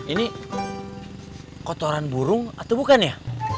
ini kotoran burung atau bukan ya